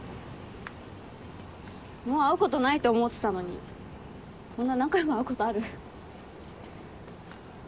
もう会うことないと思ってたのにこんな何回も会うことある？